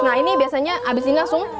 nah ini biasanya abis ini langsung kentut